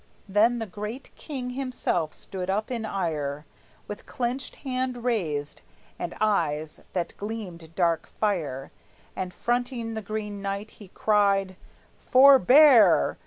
Then the great king himself stood up in ire, With clenched hand raised, and eyes that gleamed dark fire, And fronting the Green Knight he cried: "Forbear!